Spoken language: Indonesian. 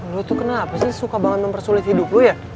lu tuh kenapa sih suka banget mempersulit hidup lo ya